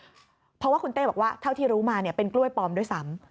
เพราะว่าคุณเต้บอกว่าเท่าที่รู้มาเนี่ยเป็นกล้วยปลอมด้วยซ้ำ